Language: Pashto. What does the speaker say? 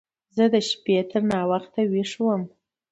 زه د شپې تر ناوخته ويښ وم.